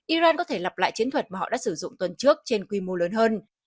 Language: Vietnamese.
iran có thể lặp lại chiến thuật mà họ đã sử dụng tuần trước trên quy mô lớn hơn